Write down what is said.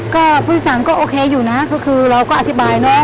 ก็ผู้จัดงานก็โอเคนะเราก็อธิบายเนอะ